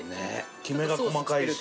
きめが細かいし。